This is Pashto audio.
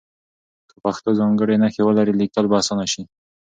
که پښتو ځانګړې نښې ولري لیکل به اسانه شي.